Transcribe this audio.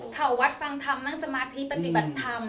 เขาวัดฟังธรรมนั่งสมาธิปฏิบัติธรรม